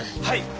はい！